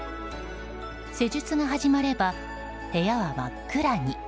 施術が始まれば、部屋は真っ暗に。